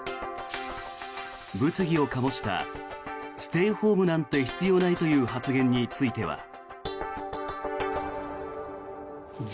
物議をかもしたステイホームなんて必要ないという発言については。